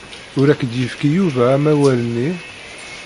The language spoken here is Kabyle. Ur ak-d-yefki Yuba amawal-nni?